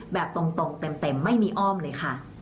แบบตรงเต็มไม่มีอ้อมเลยค่ะ